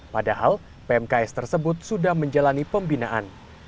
padahal pmks tersebut sudah menjalani pembinaan